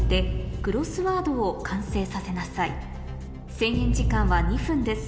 制限時間は２分です